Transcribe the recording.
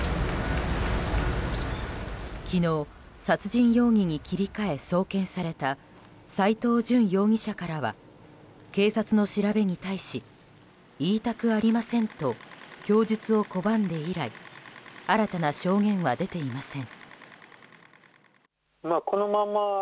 昨日、殺人容疑に切り替え送検された斎藤淳容疑者からは警察の調べに対し言いたくありませんと供述を拒んで以来新たな証言は出ていません。